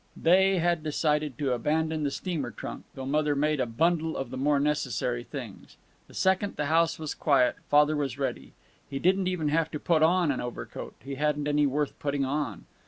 They had decided to abandon the steamer trunk, though Mother made a bundle of the more necessary things. The second the house was quiet Father was ready. He didn't even have to put on an overcoat he hadn't any worth putting on.